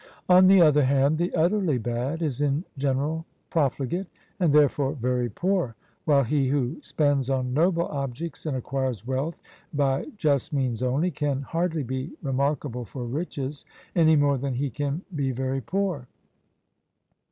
On the other hand, the utterly bad is in general profligate, and therefore very poor; while he who spends on noble objects, and acquires wealth by just means only, can hardly be remarkable for riches, any more than he can be very poor.